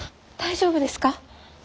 大丈夫ですか？